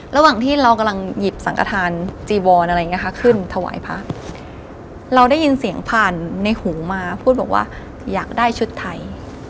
ระหว่างที่เรากำลังหยิบสังกฐานจีวรอะไรอย่างนี้ค่ะขึ้นถวายพระเราได้ยินเสียงผ่านในหูมาพูดบอกว่าอยากได้ชุดไทย